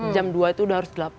jam dua itu sudah harus delapan